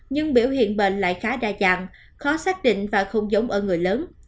nhưng biểu hiện bệnh lại khá đa dạng khó xác định và không giống ở người lớn